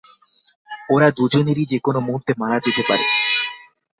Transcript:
ওরা দুজনেরই যেকোনো মুহুর্তে মারা যেতে পারে।